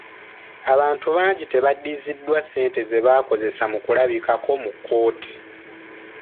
Abantu bangi tebaddizibwa ssente ze bakozesa mu kulabikako mu kkooti.